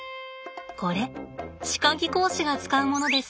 これ歯科技工士が使うものです。